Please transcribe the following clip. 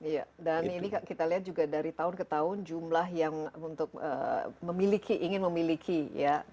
iya dan ini kita lihat juga dari tahun ke tahun jumlah yang untuk memiliki ingin memiliki ya